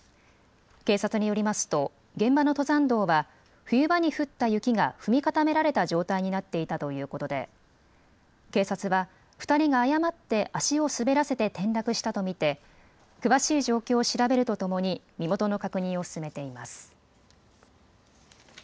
警察によりますと現場の登山道は冬場に降った雪が踏み固められた状態になっていたということで警察は２人が誤って足を滑らせて転落したと見て詳しい状況を調べるとともに身元の確認を進めています。